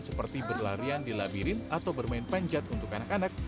seperti berlarian di labirin atau bermain panjat untuk anak anak